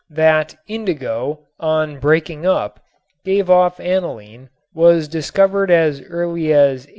That indigo on breaking up gave off aniline was discovered as early as 1840.